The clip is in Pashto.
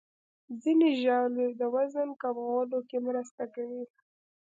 ځینې ژاولې د وزن کمولو کې مرسته کوي.